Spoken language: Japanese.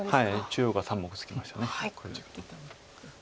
中央が３目つきましたこれ。